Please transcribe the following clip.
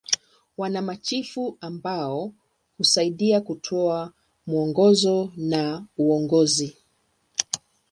Wana machifu ambao husaidia kutoa mwongozo na uongozi.